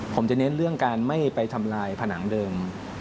ผมจะเน้นเรื่องการไม่ไปทำลายผนังเดิม